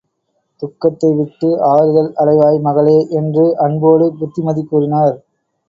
துக்கத்தை விட்டு ஆறுதல் அடைவாய் மகளே! என்று அன்போடு புத்திமதி கூறினார்.